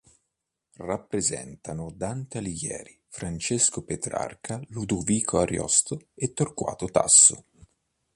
Rappresentano Dante Alighieri, Francesco Petrarca, Ludovico Ariosto e Torquato Tasso.